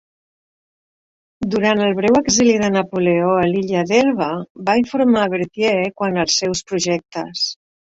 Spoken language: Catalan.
Durant el breu exili de Napoleó a l'illa d'Elba, va informar Berthier quant als seus projectes.